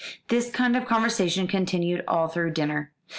This kind of conversation continued all through dinner.